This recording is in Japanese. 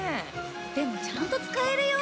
でもちゃんと使えるよ。